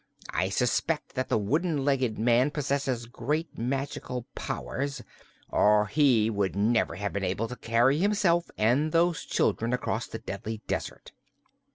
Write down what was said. I suspect that the wooden legged man possesses great magical powers, or he would never have been able to carry himself and those children across the deadly desert."